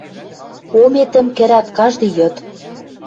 Ометӹм кӹрӓт каждый йыд.